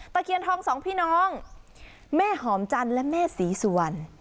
เคียนทองสองพี่น้องแม่หอมจันทร์และแม่ศรีสุวรรณ